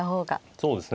そうですね。